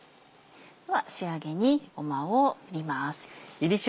では仕上げにごまを振ります。